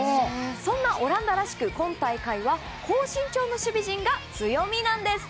そんなオランダらしく今大会は高身長の守備陣が強みなんです。